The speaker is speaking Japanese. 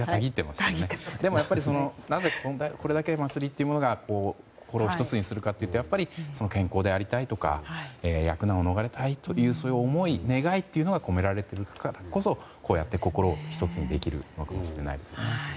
でも、これだけ祭りが心を１つにするかというとやっぱり健康でありたいとか厄難を逃れたいという思い願いが込められているからこそこうやって心を１つにできるんですね。